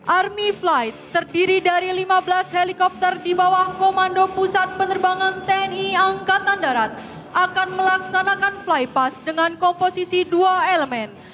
army flight terdiri dari lima belas helikopter di bawah komando pusat penerbangan tni angkatan darat akan melaksanakan flypass dengan komposisi dua elemen